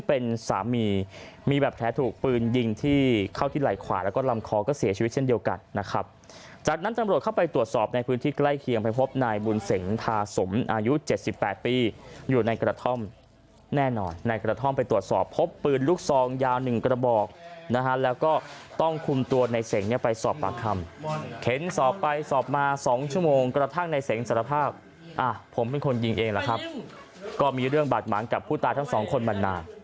เป็นสามีมีแบบแถถูกปืนยิงที่เข้าที่ไหล่ขวาแล้วก็ลำคอก็เสียชีวิตเช่นเดียวกันนะครับจากนั้นจังหลวดเข้าไปตรวจสอบในพื้นที่ใกล้เคียงไปพบนายบุญเสียงทาสมอายุเจ็ดสิบแปดปีอยู่ในกระท่อมแน่นอนในกระท่อมไปตรวจสอบพบปืนลุกซองยาวหนึ่งกระบอกนะฮะแล้วก็ต้องคุมตัวในเสียงเนี่ยไปสอบป